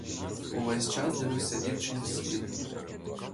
Увесь час дивився дівчині вслід.